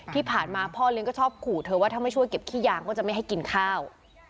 ที่ผ่านมาพ่อเลี้ยงก็ชอบขู่เธอว่าถ้าไม่ช่วยเก็บขี้ยางก็จะไม่ให้กินข้าว